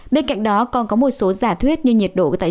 bên cạnh đó còn có một số giả thuyết như nhiệt độ tại châu phi cao